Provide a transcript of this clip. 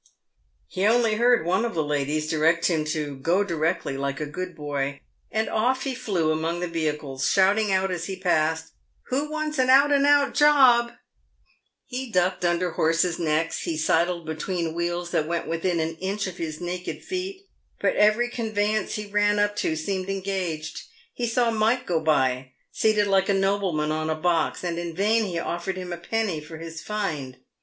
He only heard one of the ladies direct him to "go directly, like a good boy," and off he flew among the vehicles, shouting out, as he passed, " Who wants an out and out job ?" He ducked under horses' necks, he sidled between wheels that went within an inch of his naked feet, but every conveyance he ran up to seemed engaged. He saw Mike go by, seated like a nobleman on a box, and in vain he offered him. a penny for bis " find."